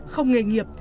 không nghề nghiệp